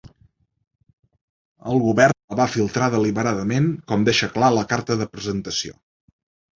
El govern la va filtrar deliberadament, com deixa clar la carta de presentació.